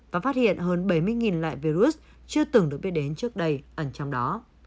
và phát hiện hơn bảy mươi loại virus chưa từng được biết đến trước đây ẩn trong đó